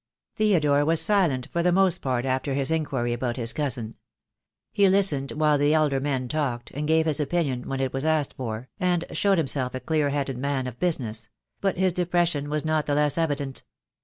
Theodore was silent for the most part after his in quiry about his cousin. He listened while the elder men talked, and gave his opinion when it was asked for, and showred himself a clear headed man of business; but his depression was not the less evident.